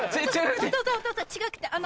お父さんお父さん違くて。